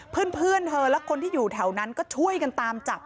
เพื่อนเธอและคนที่อยู่แถวนั้นก็ช่วยกันตามจับ